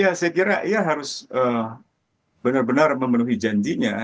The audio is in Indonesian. ya saya kira ia harus benar benar memenuhi janjinya